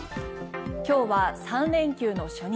今日は３連休の初日。